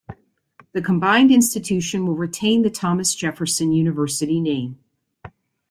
The combined institution will retain the Thomas Jefferson University name.